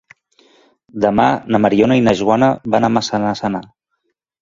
Demà na Mariona i na Joana van a Massanassa.